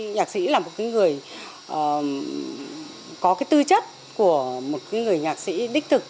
nhạc sĩ là một cái người có cái tư chất của một cái người nhạc sĩ đích thực